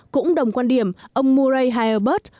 cũng đồng quan điểm ông murray herbert